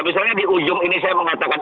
misalnya di ujung ini saya mengatakan